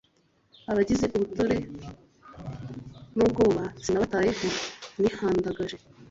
abagize ubute n’ubwoba sinabitayeho nihandagaje